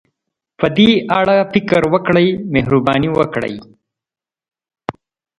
په دې اړه فکر وکړئ، مهرباني وکړئ.